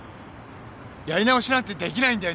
やり直しなんてできないんだよ